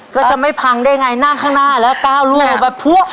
ก็จะไม่พังได้ไงหน้าข้างหน้าแล้วก้าวลูกลงมาพวก